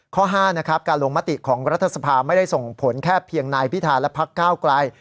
ข้อ๕การลงมติของรัฐธรรมนูญไม่ได้ส่งผลแค่เพียงนายพิธารพัก๙กลาย